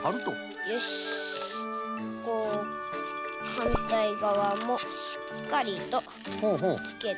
はんたいがわもしっかりとつけて。